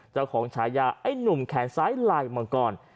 เจ้าของฉายาไอ้หนุ่มแขนซ้ายลายมาก่อน